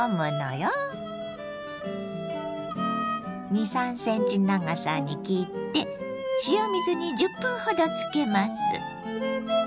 ２３ｃｍ長さに切って塩水に１０分ほどつけます。